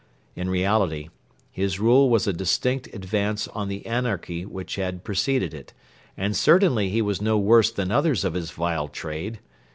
In reality, his rule was a distinct advance on the anarchy which had preceded it, and certainly he was no worse than others of his vile trade.